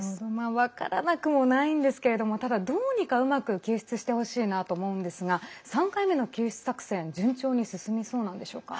分からなくもないんですけどもただ、どうにかうまく救出してほしいなと思うんですが３回目の救出作戦順調に進みそうなんでしょうか？